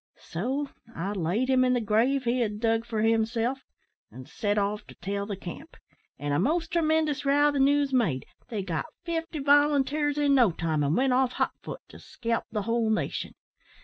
So I laid him in the grave he had dug for himself, and sot off to tell the camp. An' a most tremendous row the news made. They got fifty volunteers in no time, and went off, hot fut, to scalp the whole nation.